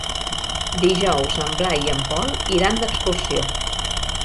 Dijous en Blai i en Pol iran d'excursió.